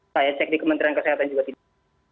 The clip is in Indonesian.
saya cek di kementerian kesehatan juga tidak